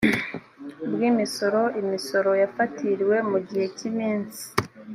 bw imisoro imisoro yafatiriwe mu gihe cy iminsi